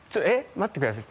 待ってください